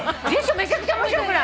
めちゃくちゃ面白くない？